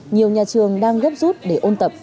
nhiều nhà trường đang gấp rút để ôn tập